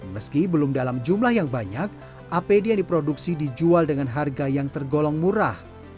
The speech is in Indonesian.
meski belum dalam jumlah yang banyak apd yang diproduksi dijual dengan harga yang tergolong murah